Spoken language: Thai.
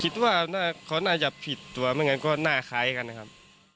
คิดว่าเขาน่าจะผิดตัวไม่งั้นก็หน้าคล้ายกันนะครับ